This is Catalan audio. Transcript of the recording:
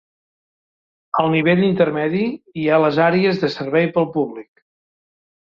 Al nivell intermedi hi ha les àrees de servei pel públic.